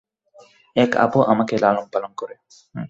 এক আপু আমাকে লালন-পালন করে।